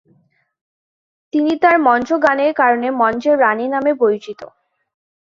তিনি তার মঞ্চ গানের কারণে মঞ্চের রানী নামে পরিচিত।